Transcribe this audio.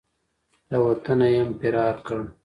له وطنه یې هم فرار کړ.